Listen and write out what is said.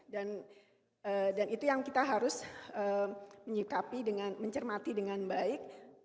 itu yang kita harus menyikapi dengan mencermati dengan baik